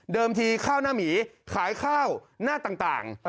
ทีข้าวหน้าหมีขายข้าวหน้าต่าง